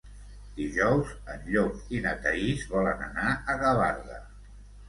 Dijous en Llop i na Thaís volen anar a Gavarda.